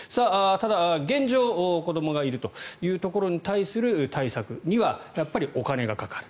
ただ、現状子どもがいるというところに対する対策にはやっぱりお金がかかる。